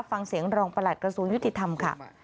ฟังเสียงรองประหลัดกระทรวงยุติธรรมค่ะ